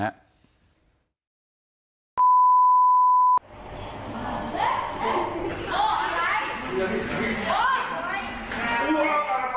ฉันเราก็ว่าที่แกเลี่ยงเหรอมันผิดการเข้ามาซักครั้งเนี่ยครับ